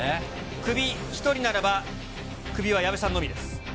クビ１人ならば、クビは矢部さんのみです。